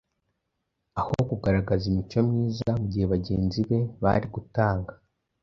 Aho kugaragaza imico myiza mu gihe bagenzi be bari gutanga